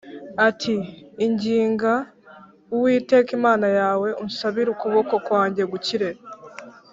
ati “Inginga Uwiteka Imana yawe, unsabire ukuboko kwanjye gukire”